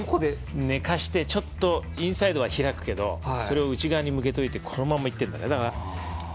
寝かせて、ちょっとインサイドは開くけどそれを内側に向けておいてこのままいってるんだよね。